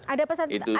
ada pesan apa ini pak